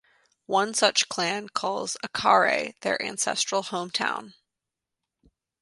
One such clan calls Achare their ancestral home-town.